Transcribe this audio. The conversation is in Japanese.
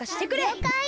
りょうかい！